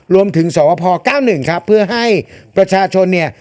รวมถึงส่อวภอร์เก้าหนึ่งครับเพื่อให้ประชาชนเนี่ย